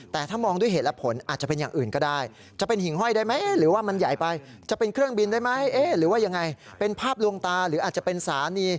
แต่ถ้ามองด้วยเหตุและผลอาจจะเป็นอย่างอื่นก็ได้